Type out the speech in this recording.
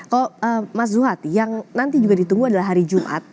kalau mas zuhad yang nanti juga ditunggu adalah hari jumat